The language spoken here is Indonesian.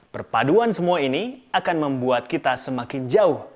perpaduan semua ini akan membuat kita semakin jauh